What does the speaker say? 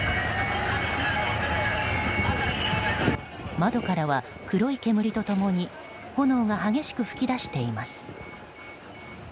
窓からは黒い煙と共に炎が激しく噴き出しています。